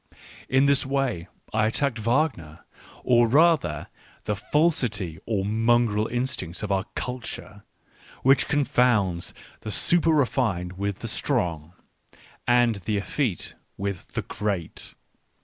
In this way I attacked Wagner, or rather the falsity or mongrel instincts of our " culture " which confounds the super refined with the strong, and the effete with the great.